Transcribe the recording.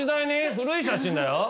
古い写真だよ。